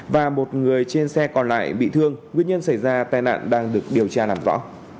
và một người trên xe còn lại bị thương nguyên nhân xảy ra tai nạn đang được điều tra làm rõ